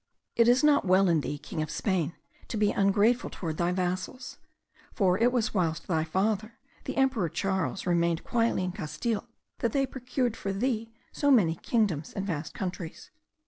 It is not well in thee, King of Spain, to be ungrateful toward thy vassals; for it was whilst thy father, the emperor Charles, remained quietly in Castile, that they procured for thee so many kingdoms and vast countries.